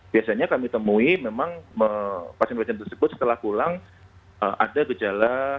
biasanya kami temui memang pasien pasien tersebut setelah pulang ada gejala